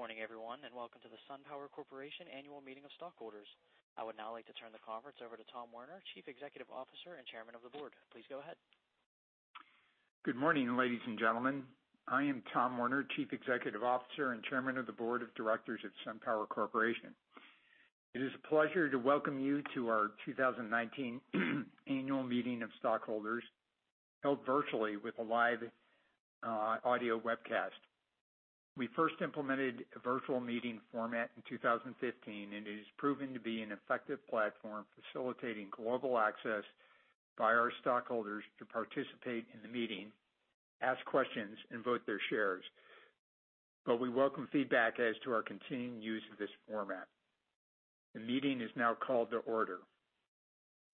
Good morning, everyone. Welcome to the SunPower Corporation Annual Meeting of Stockholders. I would now like to turn the conference over to Tom Werner, Chief Executive Officer and Chairman of the Board. Please go ahead. Good morning, ladies and gentlemen. I am Tom Werner, Chief Executive Officer and Chairman of the Board of Directors of SunPower Corporation. It is a pleasure to welcome you to our 2019 Annual Meeting of Stockholders, held virtually with a live audio webcast. We first implemented a virtual meeting format in 2015. It has proven to be an effective platform facilitating global access by our stockholders to participate in the meeting, ask questions, and vote their shares. We welcome feedback as to our continued use of this format. The meeting is now called to order.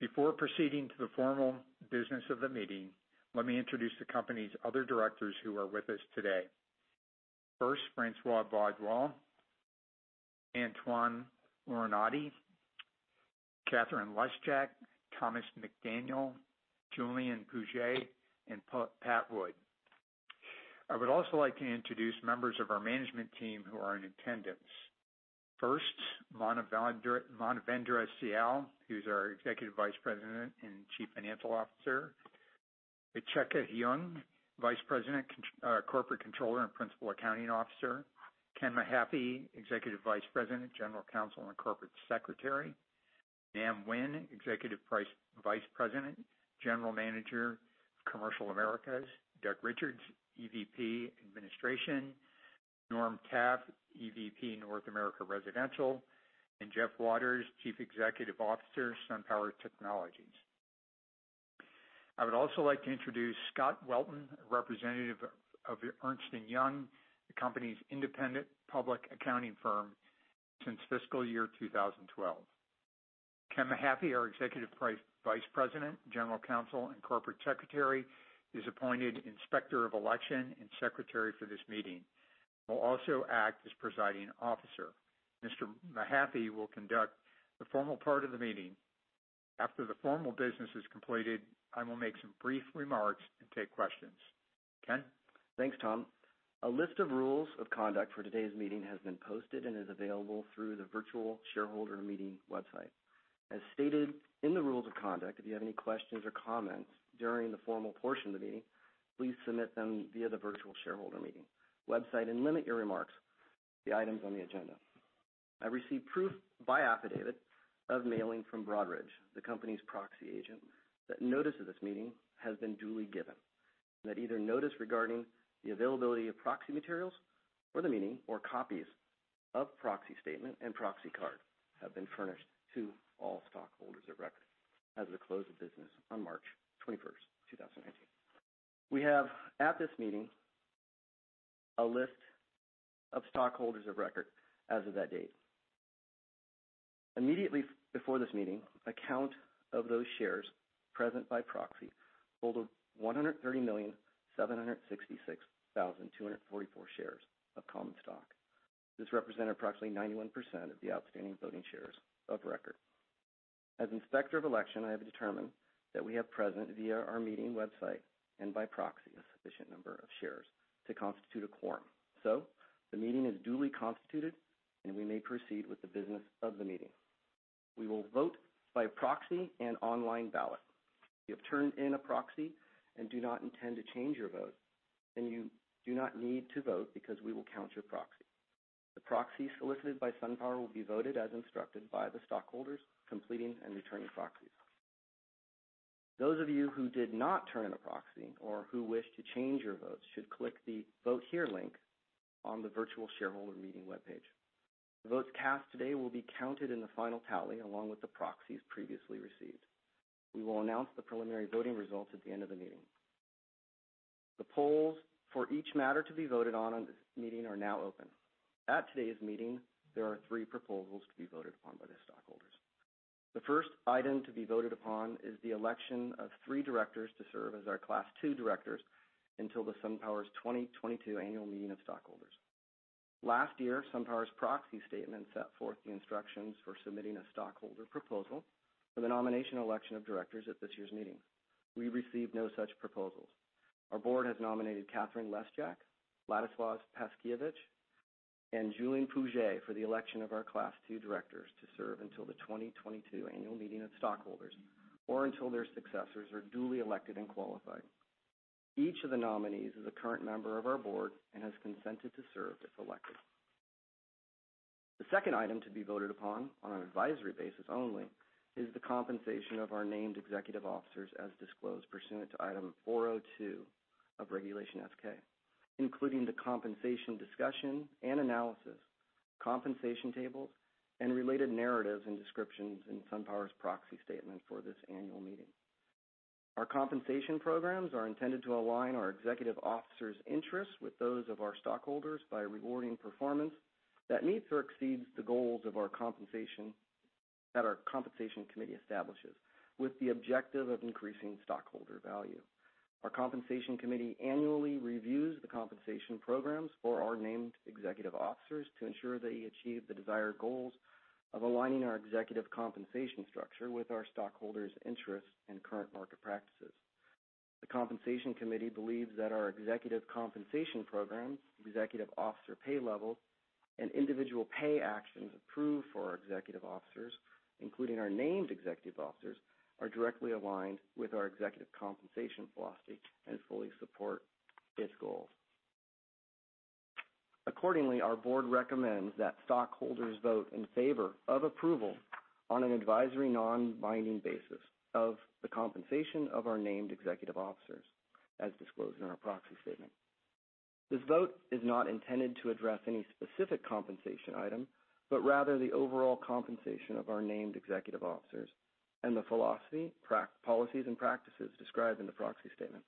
Before proceeding to the formal business of the meeting, let me introduce the company's other directors who are with us today. First, Francois Boisdron, Antoine Larenaudie, Catherine A. Lesjak, Thomas McDaniel, Julien Pouget, and Pat Wood. I would also like to introduce members of our management team who are in attendance. First, Manavendra Sial, who's our Executive Vice President and Chief Financial Officer. Vichheka Heang, Vice President, Corporate Controller and Principal Accounting Officer. Ken Mahaffey, Executive Vice President, General Counsel, and Corporate Secretary. Nam Nguyen, Executive Vice President, General Manager, Commercial Americas. Doug Richards, EVP, Administration. Norm Taffe, EVP, North America Residential. Jeff Waters, Chief Executive Officer, SunPower Technologies. I would also like to introduce Scott Welton, a representative of Ernst & Young, the company's independent public accounting firm since fiscal year 2012. Ken Mahaffey, our Executive Vice President, General Counsel, and Corporate Secretary, is appointed Inspector of Election and Secretary for this meeting. Will also act as presiding officer. Mr. Mahaffey will conduct the formal part of the meeting. After the formal business is completed, I will make some brief remarks and take questions. Ken? Thanks, Tom. A list of rules of conduct for today's meeting has been posted and is available through the virtual shareholder meeting website. As stated in the rules of conduct, if you have any questions or comments during the formal portion of the meeting, please submit them via the virtual shareholder meeting website and limit your remarks to the items on the agenda. I received proof by affidavit of mailing from Broadridge, the company's proxy agent, that notice of this meeting has been duly given. That either notice regarding the availability of proxy materials for the meeting or copies of proxy statement and proxy card have been furnished to all stockholders of record as of the close of business on March 21st, 2019. We have at this meeting a list of stockholders of record as of that date. Immediately before this meeting, a count of those shares present by proxy totaled 130,766,244 shares of common stock. This represented approximately 91% of the outstanding voting shares of record. As Inspector of Election, I have determined that we have present via our meeting website and by proxy, a sufficient number of shares to constitute a quorum. The meeting is duly constituted, and we may proceed with the business of the meeting. We will vote by proxy and online ballot. If you have turned in a proxy and do not intend to change your vote, you do not need to vote because we will count your proxy. The proxies solicited by SunPower will be voted as instructed by the stockholders completing and returning proxies. Those of you who did not turn in a proxy or who wish to change your votes should click the Vote Here link on the virtual shareholder meeting webpage. The votes cast today will be counted in the final tally, along with the proxies previously received. We will announce the preliminary voting results at the end of the meeting. The polls for each matter to be voted on in this meeting are now open. At today's meeting, there are three proposals to be voted upon by the stockholders. The first item to be voted upon is the election of three directors to serve as our Class 2 directors until the SunPower's 2022 Annual Meeting of Stockholders. Last year, SunPower's proxy statement set forth the instructions for submitting a stockholder proposal for the nomination election of directors at this year's meeting. We received no such proposals. Our board has nominated Catherine Lesjak, Ladislas Paszkiewicz, and Julien Pouget for the election of our Class 2 directors to serve until the 2022 Annual Meeting of Stockholders or until their successors are duly elected and qualified. Each of the nominees is a current member of our board and has consented to serve if elected. The second item to be voted upon, on an advisory basis only, is the compensation of our named executive officers as disclosed pursuant to Item 402 of Regulation S-K, including the compensation discussion and analysis, compensation tables, and related narratives and descriptions in SunPower's proxy statement for this annual meeting. Our compensation programs are intended to align our executive officers' interests with those of our stockholders by rewarding performance that meets or exceeds the goals that our Compensation Committee establishes, with the objective of increasing stockholder value. Our Compensation Committee annually reviews the compensation programs for our named executive officers to ensure they achieve the desired goals of aligning our executive compensation structure with our stockholders' interests and current market practices. The compensation committee believes that our executive compensation program, executive officer pay level, and individual pay actions approved for our executive officers, including our named executive officers, are directly aligned with our executive compensation philosophy and fully support its goals. Accordingly, our board recommends that stockholders vote in favor of approval on an advisory, non-binding basis of the compensation of our named executive officers as disclosed in our proxy statement. This vote is not intended to address any specific compensation item, but rather the overall compensation of our named executive officers and the philosophy, policies, and practices described in the proxy statement.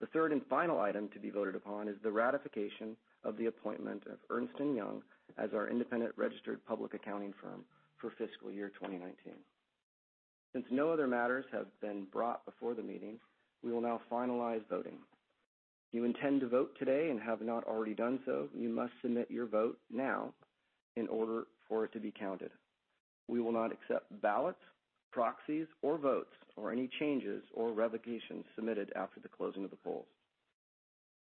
The third and final item to be voted upon is the ratification of the appointment of Ernst & Young as our independent registered public accounting firm for fiscal year 2019. Since no other matters have been brought before the meeting, we will now finalize voting. If you intend to vote today and have not already done so, you must submit your vote now in order for it to be counted. We will not accept ballots, proxies, or votes, or any changes or revocations submitted after the closing of the polls.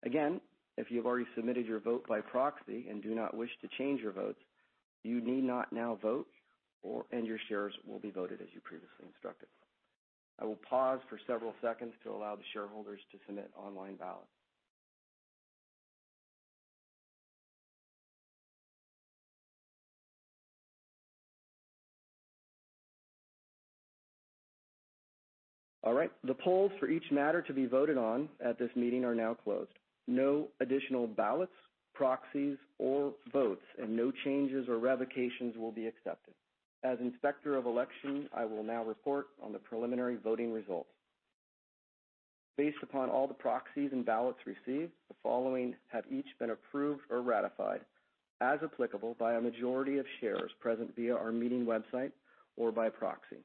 Again, if you have already submitted your vote by proxy and do not wish to change your votes, you need not now vote, and your shares will be voted as you previously instructed. I will pause for several seconds to allow the shareholders to submit online ballots. All right. The polls for each matter to be voted on at this meeting are now closed. No additional ballots, proxies, or votes, and no changes or revocations will be accepted. As Inspector of Election, I will now report on the preliminary voting results. Based upon all the proxies and ballots received, the following have each been approved or ratified, as applicable, by a majority of shares present via our meeting website or by proxy.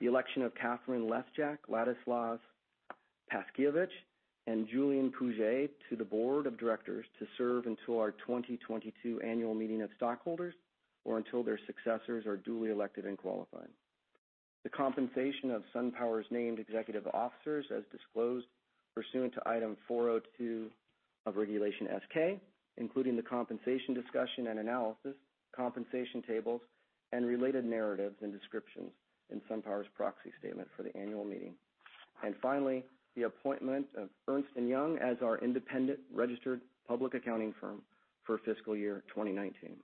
The election of Catherine Lesjak, Ladislas Paszkiewicz, and Julien Pouget to the board of directors to serve until our 2022 annual meeting of stockholders or until their successors are duly elected and qualified. The compensation of SunPower's named executive officers as disclosed pursuant to Item 402 of Regulation S-K, including the compensation discussion and analysis, compensation tables, and related narratives and descriptions in SunPower's proxy statement for the annual meeting. Finally, the appointment of Ernst & Young as our independent registered public accounting firm for fiscal year 2019.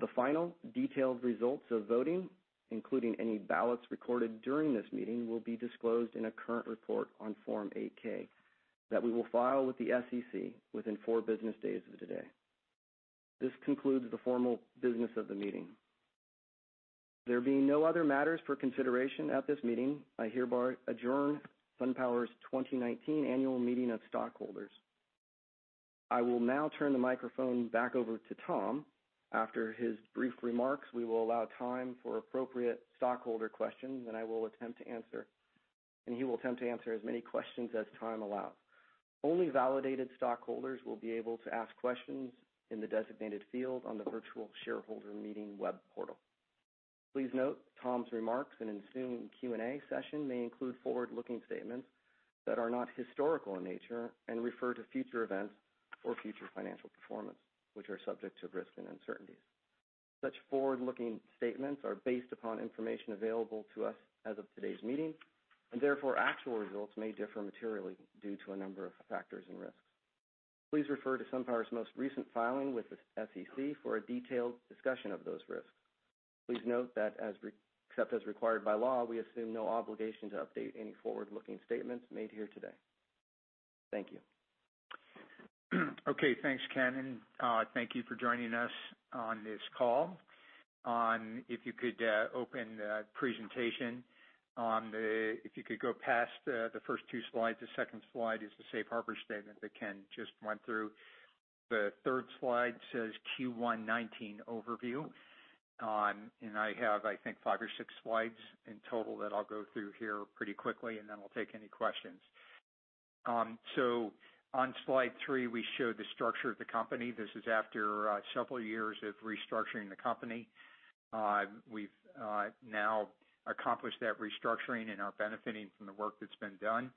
The final detailed results of voting, including any ballots recorded during this meeting, will be disclosed in a current report on Form 8-K that we will file with the SEC within four business days of today. This concludes the formal business of the meeting. There being no other matters for consideration at this meeting, I hereby adjourn SunPower's 2019 Annual Meeting of Stockholders. I will now turn the microphone back over to Tom. After his brief remarks, we will allow time for appropriate stockholder questions that I will attempt to answer, and he will attempt to answer as many questions as time allows. Only validated stockholders will be able to ask questions in the designated field on the virtual shareholder meeting web portal. Please note Tom's remarks and ensuing Q&A session may include forward-looking statements that are not historical in nature and refer to future events or future financial performance, which are subject to risks and uncertainties. Such forward-looking statements are based upon information available to us as of today's meeting, and therefore actual results may differ materially due to a number of factors and risks. Please refer to SunPower's most recent filing with the SEC for a detailed discussion of those risks. Please note that except as required by law, we assume no obligation to update any forward-looking statements made here today. Thank you. Okay, thanks, Ken, and thank you for joining us on this call. If you could open the presentation. If you could go past the first two slides. The second slide is the Safe Harbor statement that Ken just went through. The third slide says Q1 2019 Overview, and I have, I think, five or six slides in total that I'll go through here pretty quickly, and then we'll take any questions. On slide three, we show the structure of the company. This is after several years of restructuring the company. We've now accomplished that restructuring and are benefiting from the work that's been done.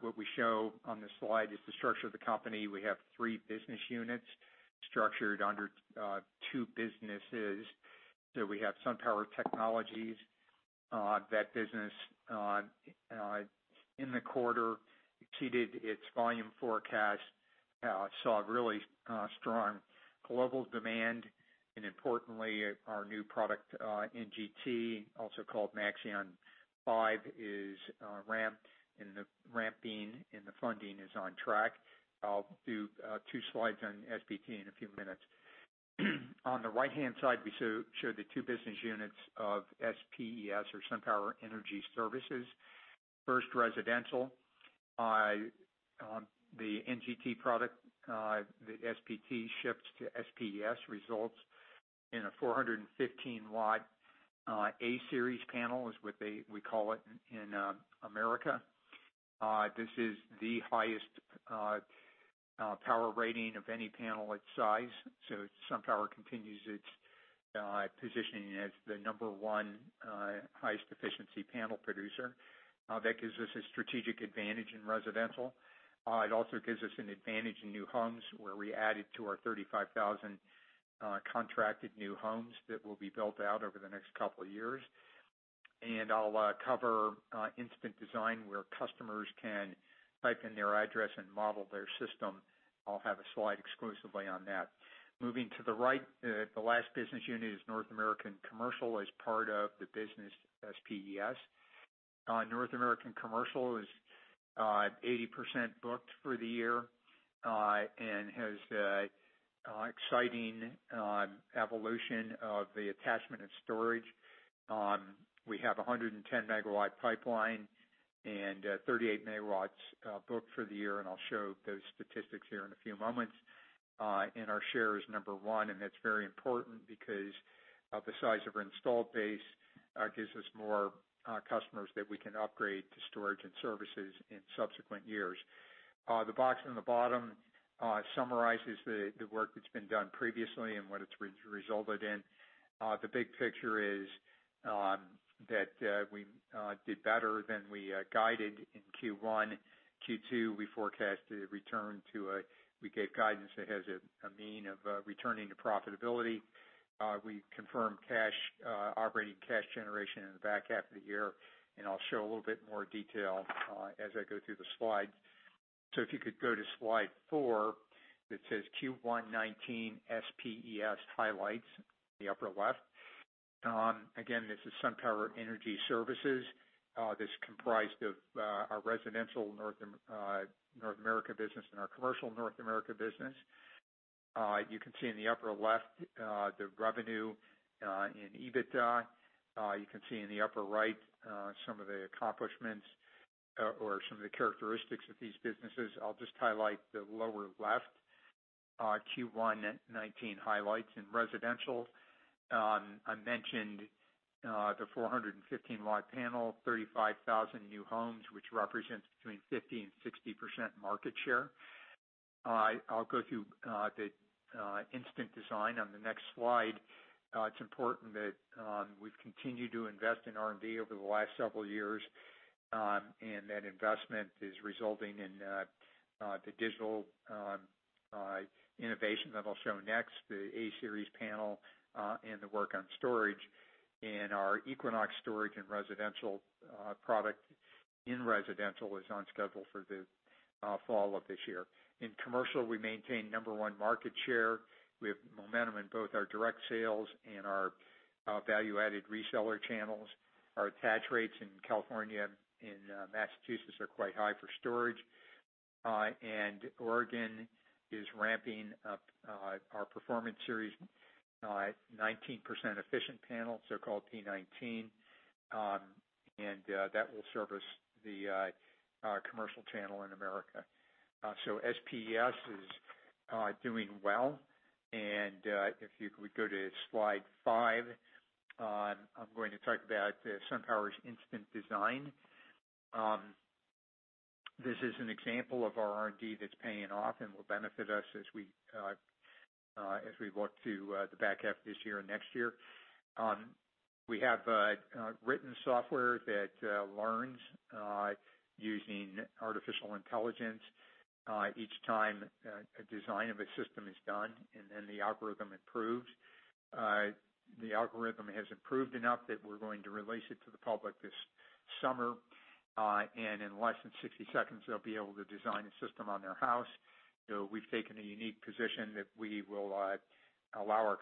What we show on this slide is the structure of the company. We have three business units structured under two businesses. We have SunPower Technologies. That business in the quarter exceeded its volume forecast, saw really strong global demand, and importantly, our new product, NGT, also called Maxeon 5, is ramped, and the ramping and the funding is on track. I'll do two slides on SPT in a few minutes. On the right-hand side, we show the two business units of SPES or SunPower Energy Services. First Residential. The NGT product that SPT ships to SPES results in a 415-watt A-Series panel, is what we call it in America. This is the highest power rating of any panel its size. SunPower continues its positioning as the number one highest efficiency panel producer. That gives us a strategic advantage in Residential. It also gives us an advantage in new homes, where we added to our 35,000 contracted new homes that will be built out over the next couple of years. I'll cover Instant Design, where customers can type in their address and model their system. I'll have a slide exclusively on that. Moving to the right, the last business unit is North American Commercial, as part of the business SPES. North American Commercial is 80% booked for the year and has an exciting evolution of the attachment of storage. We have a 110 MW pipeline and 38 MW booked for the year, and I'll show those statistics here in a few moments. Our share is number one, and that's very important because of the size of our installed base gives us more customers that we can upgrade to storage and services in subsequent years. The box on the bottom summarizes the work that's been done previously and what it's resulted in. The big picture is that we did better than we guided in Q1. Q2, we gave guidance that has a mean of returning to profitability. I'll show a little bit more detail as I go through the slides. If you could go to slide four that says Q1 2019 SPES highlights, the upper left. Again, this is SunPower Energy Services. That's comprised of our residential North America business and our commercial North America business. You can see in the upper left the revenue and EBITDA. You can see in the upper right some of the accomplishments or some of the characteristics of these businesses. I'll just highlight the lower left Q1 2019 highlights in residential. I mentioned the 415-watt panel, 35,000 new homes, which represents between 50%-60% market share. I'll go through the Instant Design on the next slide. It's important that we've continued to invest in R&D over the last several years, that investment is resulting in the digital innovation that I'll show next, the A-Series panel, and the work on storage. Our Equinox storage and residential product in residential is on schedule for the fall of this year. In commercial, we maintain number one market share. We have momentum in both our direct sales and our value-added reseller channels. Our attach rates in California and Massachusetts are quite high for storage. Oregon is ramping up our Performance Series 19% efficient panels. They're called P19. That will service the commercial channel in America. SPES is doing well. If you could go to slide five, I'm going to talk about SunPower's Instant Design. This is an example of our R&D that's paying off and will benefit us as we look to the back half of this year and next year. We have written software that learns using artificial intelligence each time a design of a system is done, then the algorithm improves. The algorithm has improved enough that we're going to release it to the public this summer. In less than 60 seconds, they'll be able to design a system on their house. We've taken a unique position that we will allow our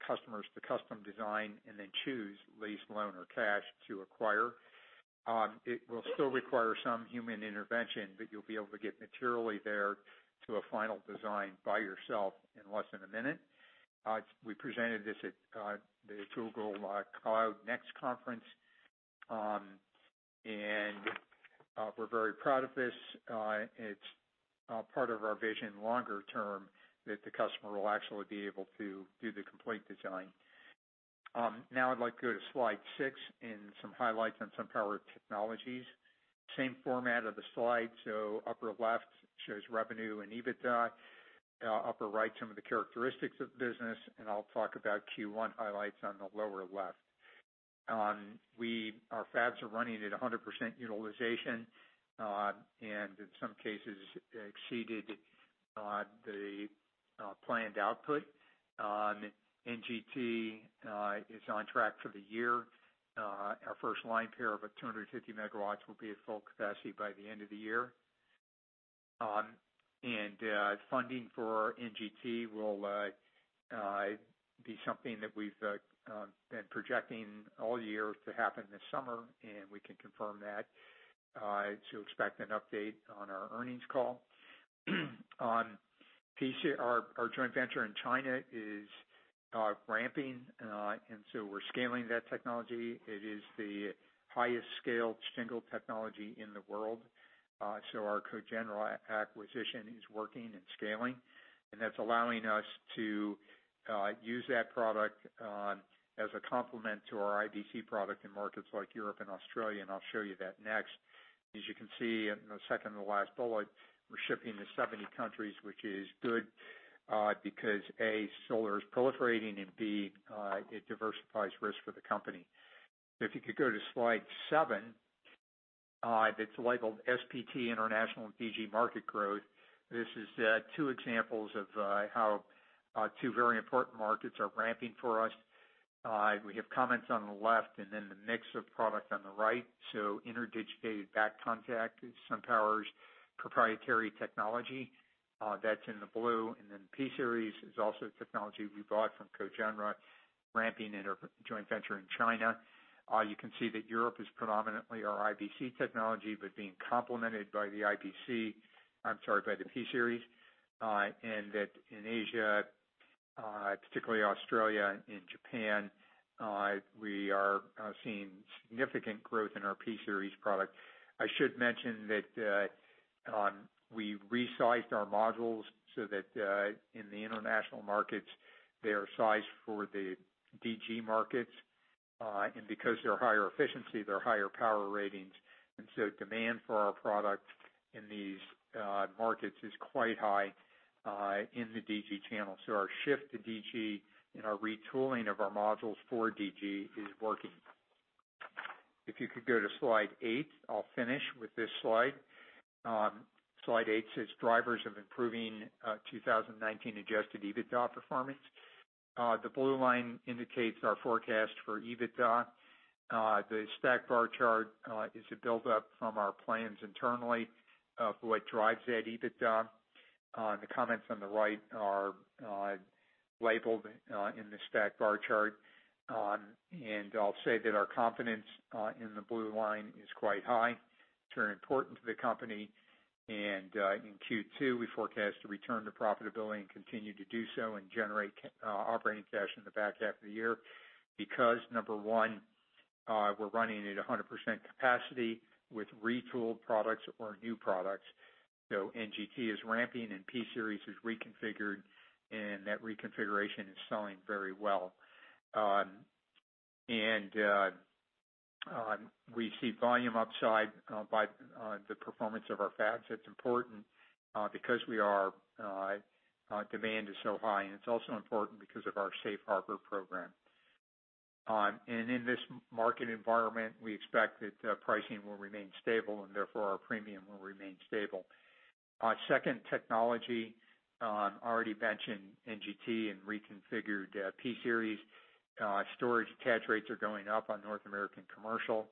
customers to custom design and then choose lease, loan, or cash to acquire. It will still require some human intervention, but you'll be able to get materially there to a final design by yourself in less than a minute. We presented this at the Google Cloud Next conference. We're very proud of this. It's part of our vision longer term that the customer will actually be able to do the complete design. I'd like to go to slide six and some highlights on SunPower Technologies. Same format of the slide, upper left shows revenue and EBITDA, upper right, some of the characteristics of the business, I'll talk about Q1 highlights on the lower left. Our fabs are running at 100% utilization, and in some cases exceeded the planned output. NGT is on track for the year. Our first line pair of 250 MW will be at full capacity by the end of the year. Funding for NGT will be something that we've been projecting all year to happen this summer, and we can confirm that. Expect an update on our earnings call. Our joint venture in China is ramping, we're scaling that technology. It is the highest scale shingled technology in the world. Our Cogenra acquisition is working and scaling, and that's allowing us to use that product as a complement to our IBC product in markets like Europe and Australia, and I'll show you that next. As you can see in the second to last bullet, we're shipping to 70 countries, which is good because, A, solar is proliferating, and B, it diversifies risk for the company. If you could go to slide seven, that's labeled SPT International and DG Market Growth. This is two examples of how two very important markets are ramping for us. We have comments on the left and then the mix of product on the right. interdigitated back contact is SunPower's proprietary technology. That's in the blue. P-Series is also a technology we bought from Cogenra, ramping in our joint venture in China. You can see that Europe is predominantly our IBC technology, but being complemented by the P-Series. In Asia, particularly Australia and in Japan, we are seeing significant growth in our P-Series product. I should mention that we resized our modules so that in the international markets, they are sized for the DG markets. Because they're higher efficiency, they're higher power ratings. Demand for our product in these markets is quite high in the DG channel. Our shift to DG and our retooling of our modules for DG is working. If you could go to slide eight, I'll finish with this slide. Slide eight says Drivers of Improving 2019 Adjusted EBITDA Performance. The blue line indicates our forecast for EBITDA. The stacked bar chart is a build-up from our plans internally of what drives that EBITDA. The comments on the right are labeled in the stacked bar chart. I'll say that our confidence in the blue line is quite high. It's very important to the company. In Q2, we forecast to return to profitability and continue to do so and generate operating cash in the back half of the year. Because, number 1, we're running at 100% capacity with retooled products or new products. NGT is ramping and P-Series is reconfigured, and that reconfiguration is selling very well. We see volume upside by the performance of our fabs. That's important because demand is so high, and it's also important because of our Safe Harbor program. In this market environment, we expect that pricing will remain stable, and therefore, our premium will remain stable. Second, technology. Already mentioned NGT and reconfigured P-Series. Storage attach rates are going up on North American commercial,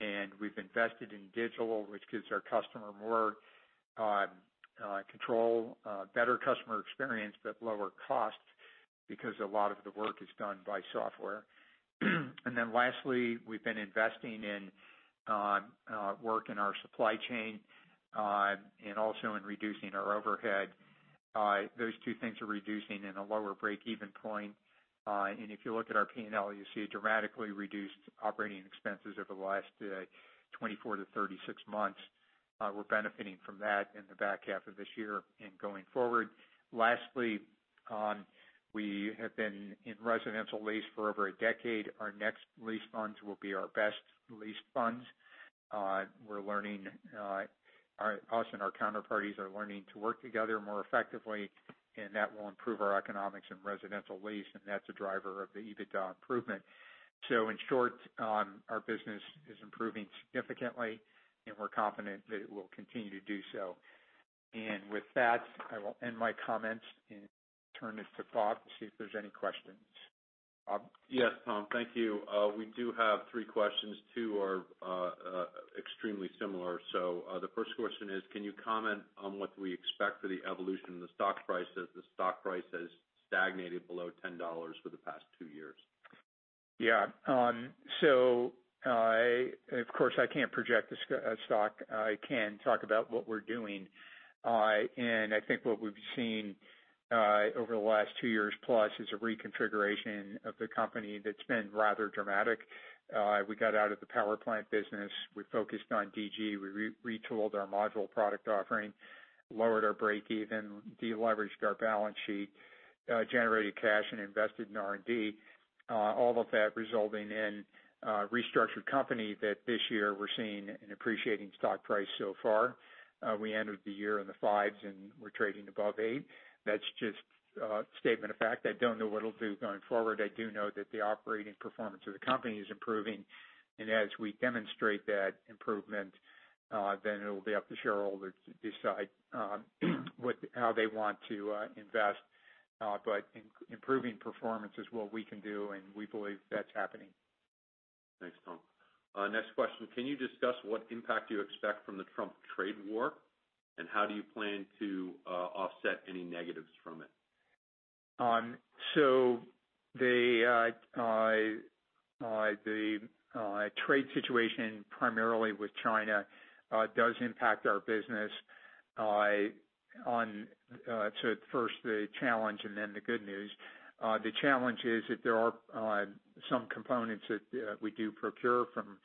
and we've invested in digital, which gives our customer more control, better customer experience, but lower cost, because a lot of the work is done by software. Lastly, we've been investing in work in our supply chain. Also in reducing our overhead. Those two things are reducing in a lower break-even point. If you look at our P&L, you see a dramatically reduced operating expenses over the last 24-36 months. We're benefiting from that in the back half of this year and going forward. Lastly, we have been in residential lease for over a decade. Our next lease funds will be our best lease funds. Us and our counterparties are learning to work together more effectively, and that will improve our economics in residential lease, and that's a driver of the EBITDA improvement. In short, our business is improving significantly, we're confident that it will continue to do so. With that, I will end my comments and turn this to Bob to see if there's any questions. Bob? Yes, Tom. Thank you. We do have three questions. Two are extremely similar. The first question is, can you comment on what we expect for the evolution of the stock price, as the stock price has stagnated below $10 for the past two years? Of course, I can't project the stock. I can talk about what we're doing. I think what we've seen over the last two years plus is a reconfiguration of the company that's been rather dramatic. We got out of the power plant business. We focused on DG. We retooled our module product offering, lowered our break-even, de-leveraged our balance sheet, generated cash, and invested in R&D. All of that resulting in a restructured company that this year we're seeing an appreciating stock price so far. We ended the year in the fives, and we're trading above eight. That's just a statement of fact. I don't know what it'll do going forward. I do know that the operating performance of the company is improving, and as we demonstrate that improvement, then it'll be up to shareholders to decide how they want to invest. Improving performance is what we can do, and we believe that's happening. Thanks, Tom. Next question. Can you discuss what impact you expect from the Trump trade war, and how do you plan to offset any negatives from it? The trade situation primarily with China does impact our business. First, the challenge, and then the good news. The challenge is that there are some components that we do procure from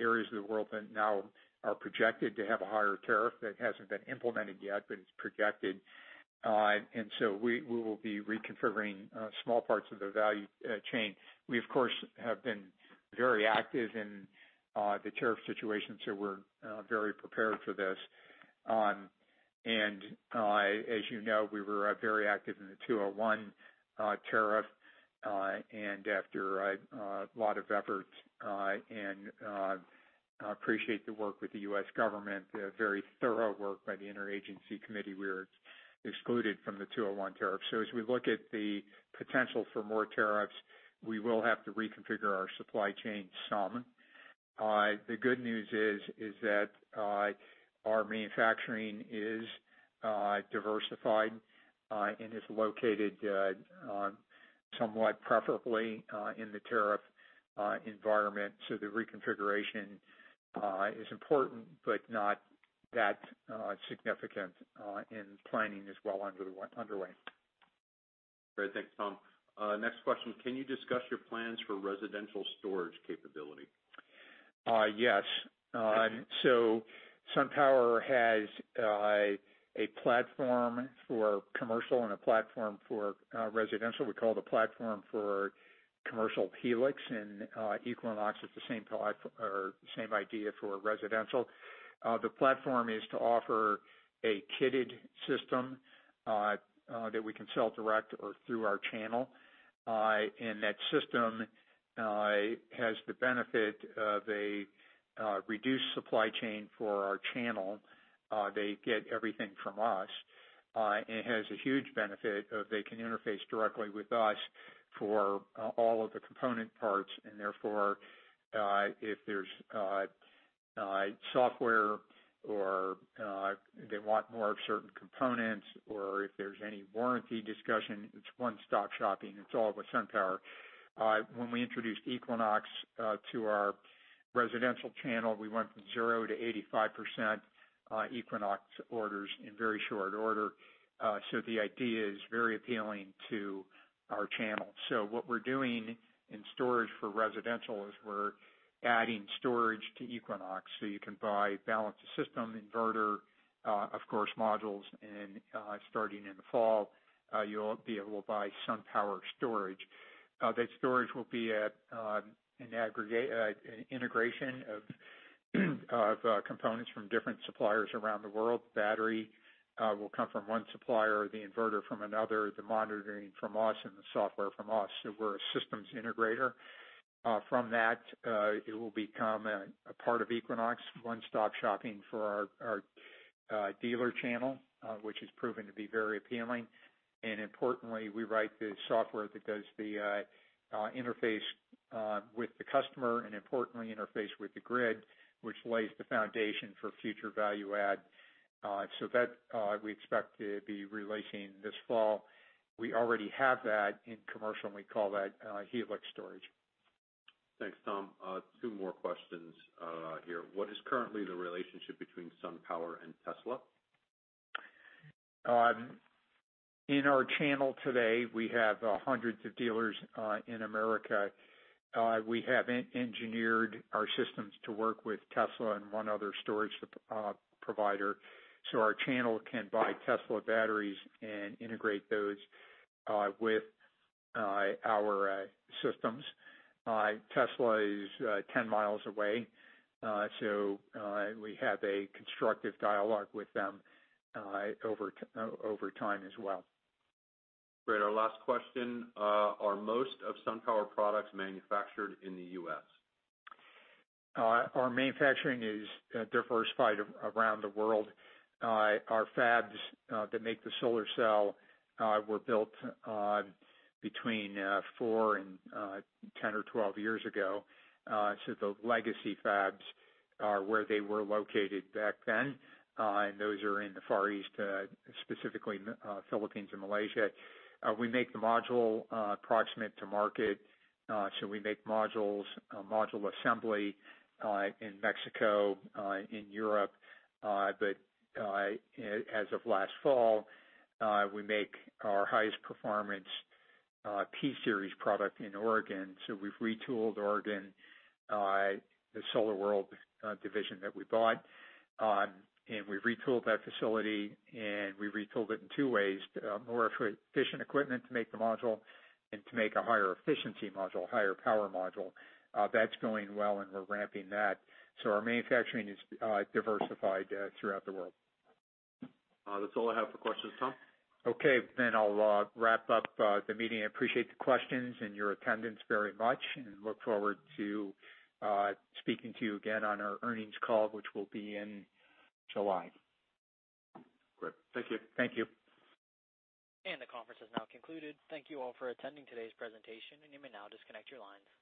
areas of the world that now are projected to have a higher tariff. That hasn't been implemented yet, but it's projected. We will be reconfiguring small parts of the value chain. We, of course, have been very active in the tariff situation, so we're very prepared for this. As you know, we were very active in the 201 tariff. After a lot of effort, and I appreciate the work with the U.S. government, the very thorough work by the interagency committee, we're excluded from the 201 tariff. As we look at the potential for more tariffs, we will have to reconfigure our supply chain some. The good news is that our manufacturing is diversified and is located somewhat preferably, in the tariff environment. The reconfiguration is important, but not that significant in planning as well underway. Great. Thanks, Tom. Next question. Can you discuss your plans for residential storage capability? SunPower has a platform for commercial and a platform for residential. We call the platform for commercial Helix, and Equinox is the same idea for residential. The platform is to offer a kitted system that we can sell direct or through our channel. That system has the benefit of a reduced supply chain for our channel. They get everything from us. It has a huge benefit of they can interface directly with us for all of the component parts and therefore, if there's software or they want more of certain components or if there's any warranty discussion, it's one-stop shopping. It's all with SunPower. When we introduced Equinox to our residential channel, we went from 0 to 85% Equinox orders in very short order. The idea is very appealing to our channel. What we're doing in storage for residential is we're adding storage to Equinox, so you can buy balance of system inverter, of course, modules, and starting in the fall, you'll be able to buy SunPower storage. That storage will be an integration of components from different suppliers around the world. Battery will come from one supplier, the inverter from another, the monitoring from us, and the software from us. We're a systems integrator. From that, it will become a part of Equinox, one-stop shopping for our dealer channel, which has proven to be very appealing. Importantly, we write the software that does the interface with the customer and importantly, interface with the grid, which lays the foundation for future value add. That we expect to be releasing this fall. We already have that in commercial, and we call that Helix Storage. Thanks, Tom. Two more questions here. What is currently the relationship between SunPower and Tesla? In our channel today, we have hundreds of dealers in America. We have engineered our systems to work with Tesla and one other storage provider, our channel can buy Tesla batteries and integrate those with our systems. Tesla is 10 miles away, we have a constructive dialogue with them over time as well. Great. Our last question. Are most of SunPower products manufactured in the U.S.? Our manufacturing is diversified around the world. Our fabs that make the solar cell were built between four and 10 or 12 years ago. The legacy fabs are where they were located back then. Those are in the Far East, specifically Philippines and Malaysia. We make the module proximate to market. We make modules, module assembly in Mexico, in Europe. As of last fall, we make our highest performance P-Series product in Oregon. We've retooled Oregon, the SolarWorld division that we bought. We've retooled that facility, and we retooled it in two ways. More efficient equipment to make the module and to make a higher efficiency module, higher power module. That's going well, and we're ramping that. Our manufacturing is diversified throughout the world. That's all I have for questions, Tom. Okay. I'll wrap up the meeting. I appreciate the questions and your attendance very much, and look forward to speaking to you again on our earnings call, which will be in July. Great. Thank you. Thank you. The conference is now concluded. Thank you all for attending today's presentation, and you may now disconnect your lines.